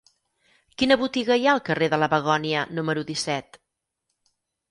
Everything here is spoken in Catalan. Quina botiga hi ha al carrer de la Begònia número disset?